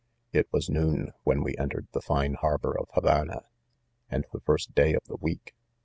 c It was noon when we entered the fine har bor: of Havana, and the first day of the week.